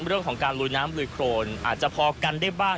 เรื่องของการลุยน้ำลุยโครนอาจจะพอกันได้บ้าง